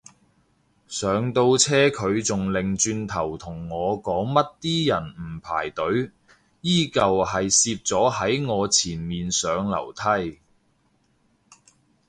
上到車佢仲擰轉頭同我講乜啲人唔排隊，依舊係攝咗喺我前面上樓梯